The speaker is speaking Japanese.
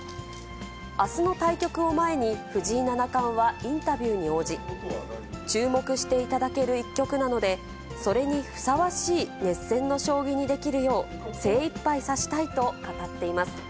あすの対局を前に藤井七冠はインタビューに応じ、注目していただける一局なので、それにふさわしい熱戦の将棋にできるよう、精いっぱい指したいと語っています。